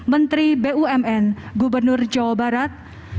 menteri bumn gubernur jawa barat